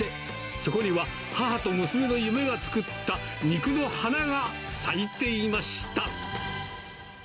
そこには、母と娘の夢が作った肉の花が咲いていました。